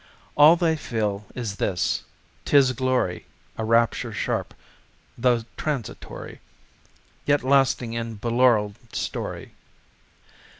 All they feel is this: 'tis glory, A rapture sharp, though transitory, Yet lasting in belaureled story.